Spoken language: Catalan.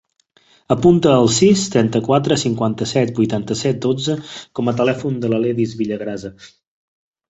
Apunta el sis, trenta-quatre, cinquanta-set, vuitanta-set, dotze com a telèfon de l'Aledis Villagrasa.